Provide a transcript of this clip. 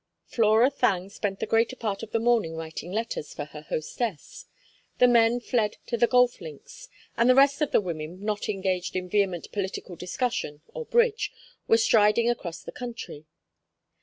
Flora Thangue spent the greater part of the morning writing letters for her hostess, the men fled to the golf links, and the rest of the women not engaged in vehement political discussion, or Bridge, were striding across country.